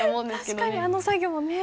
確かにあの作業ね。